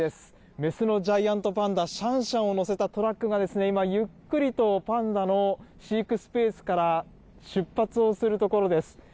雌のジャイアントパンダ、シャンシャンを乗せたトラックが、今、ゆっくりとパンダの飼育スペースから出発をするところです。